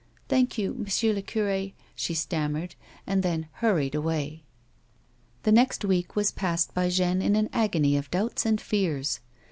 " Thank you, monsieur le cure," she stammered ; and then hurried away. The next week was passed by Jeanne in an agony of doubts and fears.